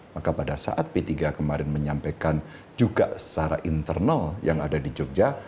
maka pada saat p tiga kemarin menyampaikan juga secara internal yang ada di jogja